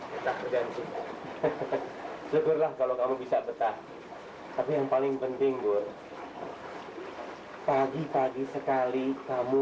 betah kerja leger lah kalau kamu bisa betah tapi yang paling penting gue pagi pagi sekali kamu